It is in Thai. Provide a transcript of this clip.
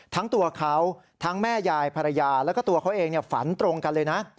ทั้งตัวเขาทั้งแม่ยายภรรยาแล้วก็ตัวเขาเองฝันตรงกันเลยนะ